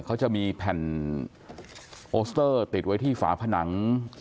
เขาจะมีแผ่นโอสเตอร์ติดไว้ที่ฝาผนัง